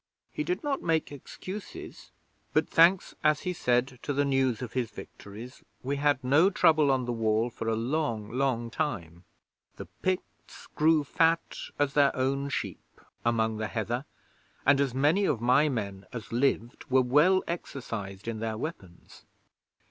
He did not make excuses; but thanks, as he said, to the news of his victories, we had no trouble on the Wall for a long, long time. The Picts grew fat as their own sheep among the heather, and as many of my men as lived were well exercised in their weapons.